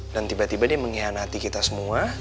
dan tiba tiba dia mengkhianati kita semua